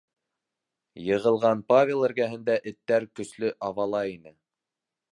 Йығылған Павел эргәһендә эттәр көслө абалай ине.